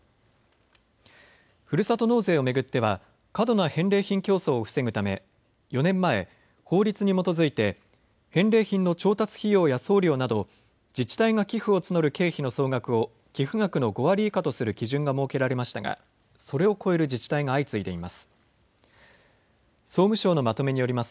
ふるさと納税を巡っては過度な返礼品競争を防ぐため４年前、法律に基づいて返礼品の調達費用や送料など自治体が寄付を募る経費の総額を寄付額の５割以下とする基準が設けられましたが、それを超える自治体が相次いでいます。